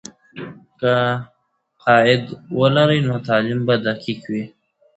که قاعده ولري، نو تعلیم به دقیق وي.